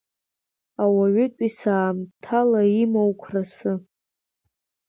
Ауаҩытәыҩса аамҭала имоу қәрасы!